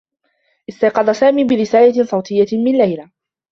استيقظ سامي برسالة صوتيّة من ليلى.